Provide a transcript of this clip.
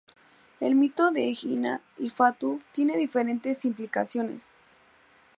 El mito de Hina y Fatu tiene diferentes implicaciones.